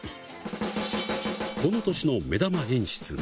この年の目玉演出が。